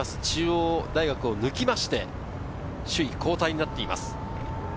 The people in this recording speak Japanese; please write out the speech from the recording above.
中央大学を抜いて首位交代になっています。